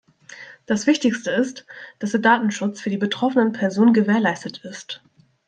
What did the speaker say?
Das Wichtigste ist, dass der Datenschutz für die betroffenen Personen gewährleistet ist.